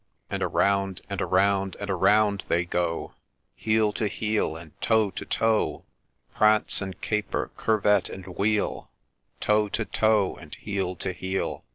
And around, and around, and around they go, Heel to heel, and toe to toe, Prance and caper, curvet and wheel, Toe to toe, and heel to heel.